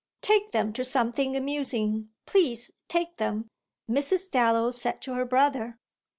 "Take them to something amusing; please take them," Mrs. Dallow said to her brother.